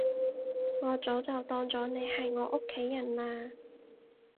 我早就當咗你係我屋企人喇